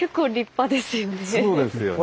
そうですよね。